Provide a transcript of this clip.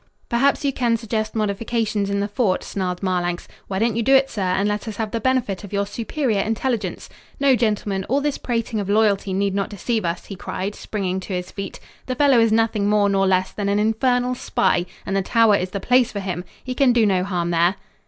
"Perhaps you can suggest modifications in the fort," snarled Marlanx. "Why don't you do it, sir, and let us have the benefit of your superior intelligence? No, gentlemen, all this prating of loyalty need not deceive us," he cried, springing to his feet. "The fellow is nothing more nor less than an infernal spy and the Tower is the place for him! He can do no harm there."